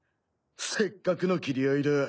せっかくの斬り合いだ。